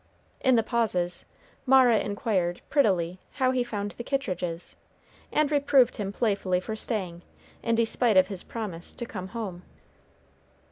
In the pauses, Mara inquired, prettily, how he found the Kittridges, and reproved him playfully for staying, in despite of his promise to come home.